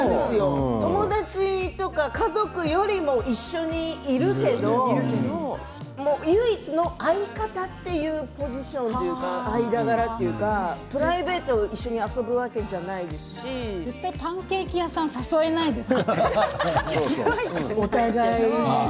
友達とか家族よりも一緒にいるけど唯一の相方というポジションというか間柄というかプライベート一緒に絶対パンケーキ屋さん誘えないです。